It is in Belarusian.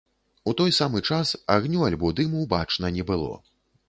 У той самы час агню, альбо дыму бачна не было.